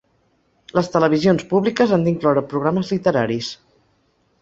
Les televisions públiques han d’incloure programes literaris.